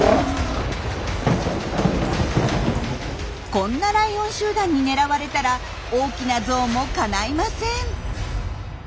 こんなライオン集団に狙われたら大きなゾウもかないません。